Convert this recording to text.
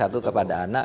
satu kepada anak